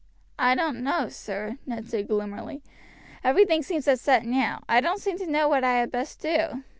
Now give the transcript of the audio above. "I don't know, sir," Ned said gloomily; "everything seems upset now. I don't seem to know what I had best do."